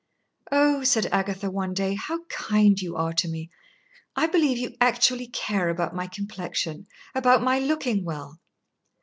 "Oh," said Agatha one day, "how kind you are to me! I believe you actually care about my complexion about my looking well."